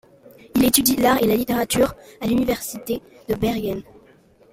Il étudie l'art et la littérature à l'université de Bergen.